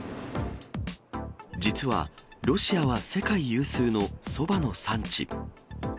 実はロシアは世界有数のそばの産地。